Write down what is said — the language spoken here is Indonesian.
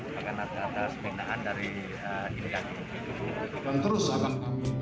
bagian atas pindahan dari pembinaan